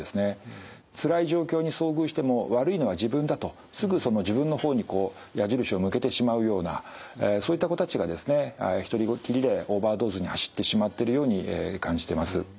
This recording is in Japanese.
つらい状況に遭遇しても悪いのは自分だとすぐその自分の方にこう矢印を向けてしまうようなそういった子たちがですね一人っきりでオーバードーズに走ってしまってるように感じてます。